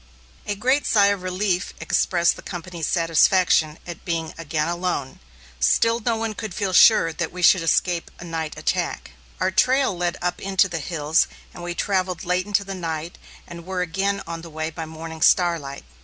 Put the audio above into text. A great sigh of relief expressed the company's satisfaction at being again alone; still no one could feel sure that we should escape a night attack. Our trail led up into the hills, and we travelled late into the night, and were again on the way by morning starlight.